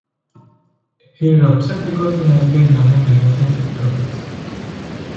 He is upset because he has been having relationship troubles.